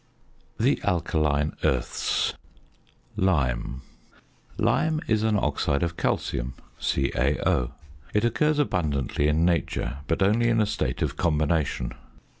THE ALKALINE EARTHS. LIME. Lime is an oxide of calcium, CaO. It occurs abundantly in nature, but only in a state of combination.